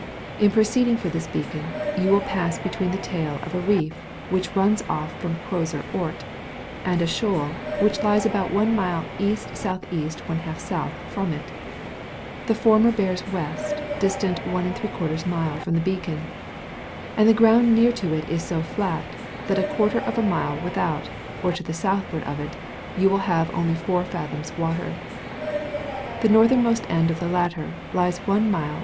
In proceeding for this beacon, you will pass between the tail of a reef which runs ofl* &om Eroser Ort, and a shoal which lies about one mile E.S.E. ^§. from it; the former bears west, distant 1# mile from the beacon; and the ground near to it is so flat, that a quarter of a mile wiihout, or to the southward of it, you will have only 4 fathoms water: the northernmost end of the latter lies one mile W.